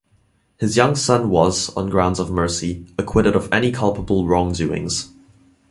His young son was, on grounds of mercy, acquitted of any culpable wrongdoings.